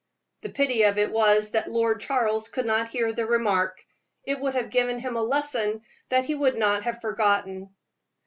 The pity of it was that Lord Charles could not hear the remark; it would have given him a lesson that he would not have forgotten.